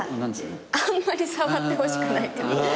あんまり触ってほしくない。